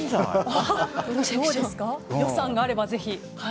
予算があれば、ぜひ。